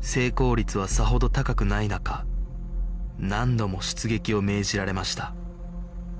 成功率はさほど高くない中何度も出撃を命じられました